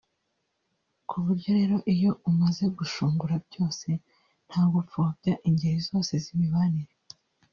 Kuburyo rero iyo umaze gushungura byose nta gupfobya ingeri zose z’imibanire